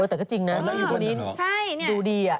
แต่ก็จริงนะนั่นพี่บริณมันดูดีอ่ะ